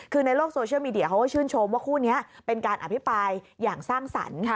คือในโลกโซเชียลมีเดียเขาก็ชื่นชมว่าคู่นี้เป็นการอภิปรายอย่างสร้างสรรค์